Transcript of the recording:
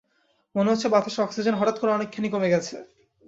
মনে হচ্ছে বাতাসের অক্সিজেন হঠাৎ করে অনেকখানি কমে গেছে।